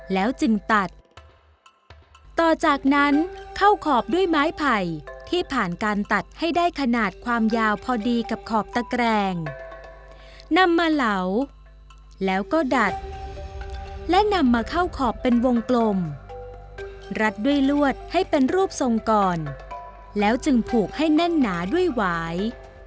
แล้วจึงตัดต่อจากนั้นเข้าขอบด้วยไม้ไผ่ที่ผ่านการตัดให้ได้ขนาดความยาวพอดีกับขอบตะแกรงนำมาเหลาแล้วก็ดัดและนำมาเข้าขอบเป็นวงกลมรัดด้วยลวดให้เป็นรูปทรงก่อนแล้วจึงผูกให้แน่นหนาด้วยหวาย